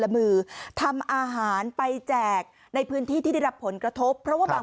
ละมือทำอาหารไปแจกในพื้นที่ที่ได้รับผลกระทบเพราะว่าบาง